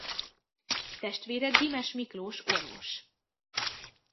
Testvére Gimes Miklós orvos.